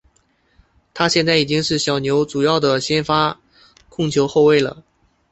他现在已经是小牛主要的先发控球后卫了。